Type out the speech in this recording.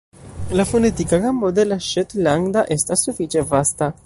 La fonetika gamo de la ŝetlanda estas sufiĉe vasta.